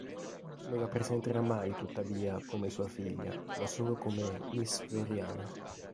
Non la presenterà mai, tuttavia, come sua figlia ma solo come Miss Floriana.